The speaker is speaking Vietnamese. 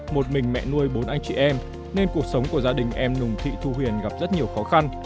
một mình mẹ nuôi bốn anh chị em nên cuộc sống của gia đình em nùng thị thu huyền gặp rất nhiều khó khăn